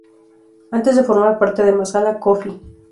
Antes de formar parte de Masala Coffee.